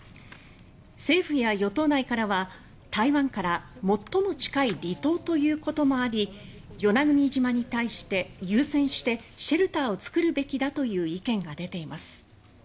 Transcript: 政府や与党内からは、台湾から最も近い離島ということもあり与那国島に対して、優先してシェルターを作るべきだという意見が出ています。